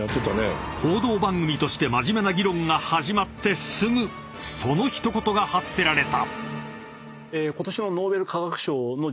［報道番組として真面目な議論が始まってすぐその一言が発せられた］